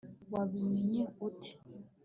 wabimenye ute